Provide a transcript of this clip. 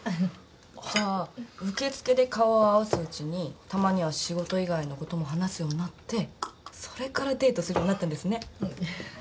じゃ受付で顔を合わすうちにたまには仕事以外のことも話すようになってそれからデートするようになったんですね。